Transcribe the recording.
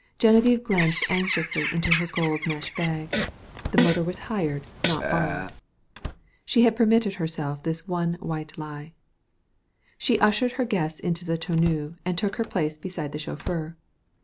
Geneviève glanced anxiously into her gold mesh bag. The motor was hired, not borrowed. She had permitted herself this one white lie. She ushered her guests into the tonneau and took her place beside the chauffeur.